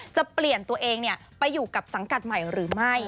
จะเปลี่ยนตัวเองไปอยู่กับสังกัดใหม่หรือไม่